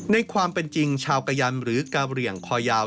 ในความเป็นจริงชาวกะยันหรือกะเหลี่ยงคอยาว